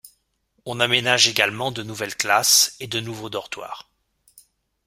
On aménage également de nouvelles classes et de nouveaux dortoirs.